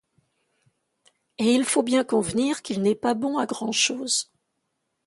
Et il faut bien convenir qu'il n'est pas bon à grand'chose.